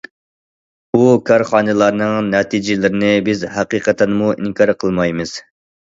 بۇ كارخانىلارنىڭ نەتىجىلىرىنى بىز ھەقىقەتەنمۇ ئىنكار قىلمايمىز.